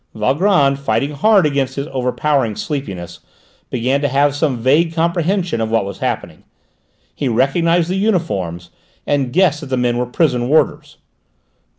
Valgrand, fighting hard against his overpowering sleepiness, began to have some vague comprehension of what was happening. He recognised the uniforms, and guessed that the men were prison warders.